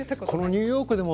ニューヨーク世界